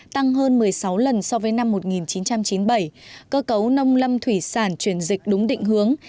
tăng hơn một mươi sáu lần so với năm một nghìn chín trăm chín mươi bảy cơ cấu nông lâm thủy sản chuyển dịch đúng định hướng